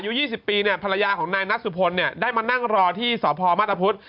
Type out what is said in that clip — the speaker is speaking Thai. อายุ๒๐ปีเนี่ยภรรยาของนายนัทสุพลเนี่ยได้มานั่งรอที่สพมาตรพุธ